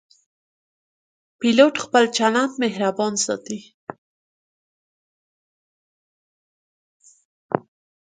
پیلوټ خپل چلند مهربان ساتي.